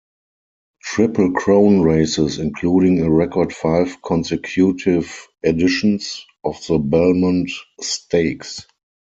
Triple Crown races including a record five consecutive editions of the Belmont Stakes.